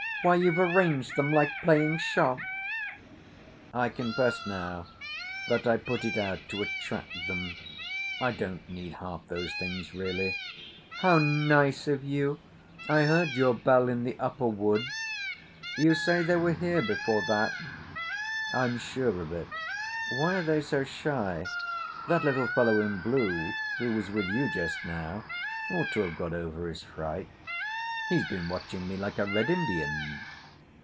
Why you've arranged them like playing shop!" "I confess now that I put it out to attract them. I don't need half those things really." "How nice of you! I heard your bell in the upper wood. You say they were here before that?" "I'm sure of it. Why are they so shy? That little fellow in blue who was with you just now ought to have got over his fright. He's been watching me like a Red Indian."